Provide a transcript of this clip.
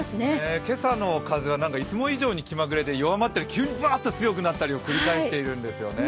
今朝の風はいつも以上に気まぐれで、弱まったり、急にバーっと強くなったりを繰り返しているんですよね。